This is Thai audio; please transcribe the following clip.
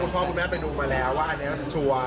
เพราะคุณพ่อคุณแม่ไปดูมาแล้วว่าอันนี้ครับชัวร์